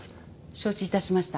承知致しました。